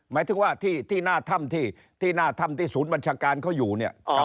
หมายถึงว่าที่หน้าถ้ำที่ศูนย์บัญชาการเขาอยู่เนี่ย